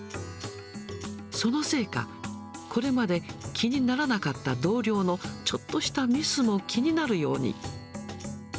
そのせいか、これまで気にならなかった同僚のちょっとしたミスも気になるように。